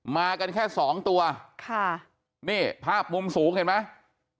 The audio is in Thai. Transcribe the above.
มากันแค่สองตัวค่ะนี่ภาพมุมสูงเห็นไหม